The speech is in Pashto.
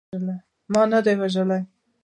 ما نه ده وژلې.